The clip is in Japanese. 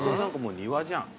君庭じゃん。